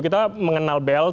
kita mengenal blt